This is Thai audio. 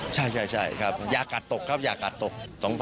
ใช่ครับอย่ากัดตกครับอย่ากัดตก